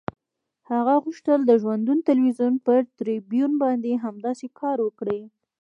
هغه غوښتل د ژوندون تلویزیون پر تریبیون باندې همداسې کار وکړي.